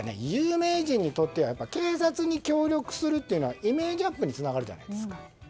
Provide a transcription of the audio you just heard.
有名人にとっても警察に協力するというのはイメージアップにつながるじゃないですか。